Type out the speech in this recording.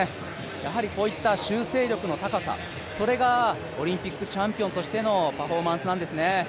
やはりこういった修正力の高さ、それがオリンピックチャンピオンとしてのパフォーマンスなんですね。